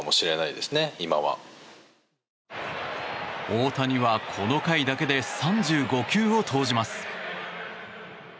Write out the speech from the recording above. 大谷は、この回だけで３５球を投じます。